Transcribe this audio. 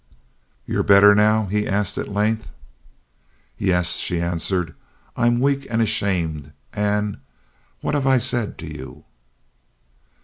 "You're better now?" he asked at length. "Yes," she answered, "I'm weak and ashamed and what have I said to you?"